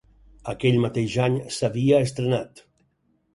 Aquell mateix any s'havia estrenat.